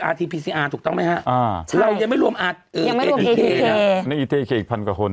อาร์ทีพีซีอาร์ถูกต้องไหมฮะอ่าใช่เรายังไม่รวมอาร์ทยังไม่รวมอีกพันกว่าคน